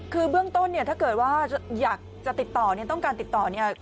คือเบื้องต้นเนี่ยถ้าเกิดว่าอยากจะติดต่อเนี่ยต้องการติดต่อเนี่ย